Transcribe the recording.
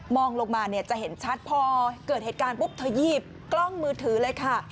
ลงมาเนี่ยจะเห็นชัดพอเกิดเหตุการณ์ปุ๊บเธอยีบกล้องมือถือเลยค่ะ